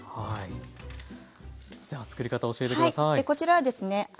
こちらはですね